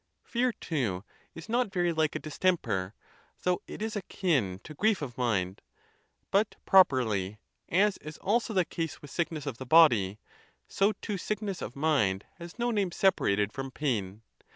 Fear, too, is not very like a distemper, though it is akin to grief of mind, but properly, as is also the case with sickness of the body, so too sickness of mind has no name separated from pain.